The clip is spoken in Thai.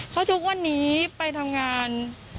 เพราะทุกวันนี้ไปทำงาน